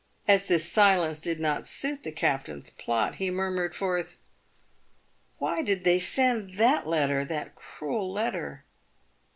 As this silence did not suit the captain's plot, he murmured forth, " Why did they send that letter — that cruel letter